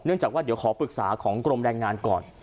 จากว่าเดี๋ยวขอปรึกษาของกรมแรงงานก่อน